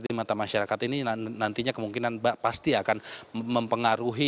di mata masyarakat ini nantinya kemungkinan pasti akan mempengaruhi